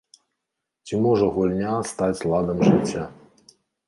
Ці можа гульня стаць ладам жыцця?